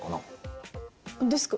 デスク。